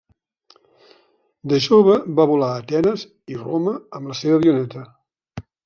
De jove va volar a Atenes i Roma amb la seva avioneta.